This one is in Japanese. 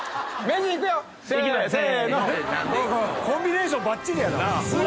コンビネーションばっちりやな。